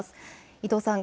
伊藤さん